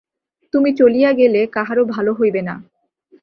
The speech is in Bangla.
তুমি চলিয়া গেলে কাহারো ভালো হইবে না।